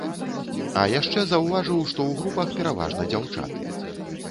А яшчэ заўважыў, што ў групах пераважна дзяўчаты.